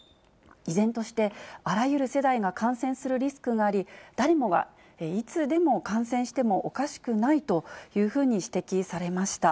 依然として、あらゆる世代が感染するリスクがあり、誰もがいつでも感染してもおかしくないというふうに指摘されました。